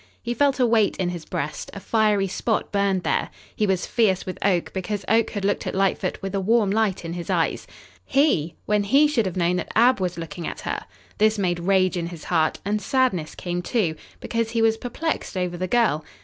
He felt a weight in his breast; a fiery spot burned there. He was fierce with Oak because Oak had looked at Lightfoot with a warm light in his eyes. He! when he should have known that Ab was looking at her! This made rage in his heart; and sadness came, too, because he was perplexed over the girl.